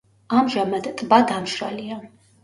ამჟამად ტბა დამშრალია.